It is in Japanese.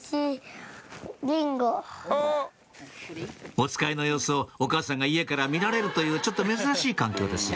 おつかいの様子をお母さんが家から見られるというちょっと珍しい環境です